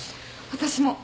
私も。